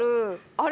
あれ？